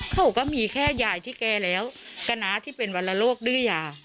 เขาก็มีแค่ใหญ่ที่แก่แล้วกณะที่เป็นวัลโลกดื้อหย่า